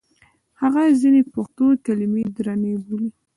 هغه ځینې پښتو کلمې درنې بولي.